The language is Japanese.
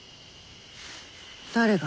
誰が？